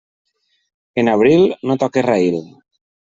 En abril, no toquis raïl.